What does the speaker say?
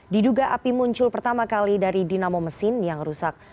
diduga api muncul pertama kali dari dinamo mesin yang rusak